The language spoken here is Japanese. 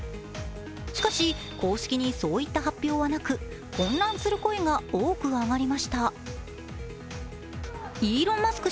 しかし、公式にそういった発表はなく、混乱する声が多く上がりましたイーロン・マスク